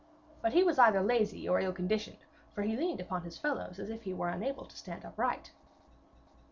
But he was either lazy or ill conditioned, for he leaned upon his fellows as if he were unable to stand upright.